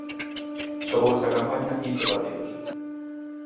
Xogou esta campaña quince partidos.